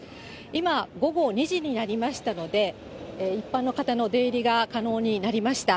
今、午後２時になりましたので、一般の方の出入りが可能になりました。